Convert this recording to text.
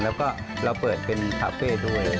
แล้วก็เราเปิดเป็นคาเฟ่ด้วย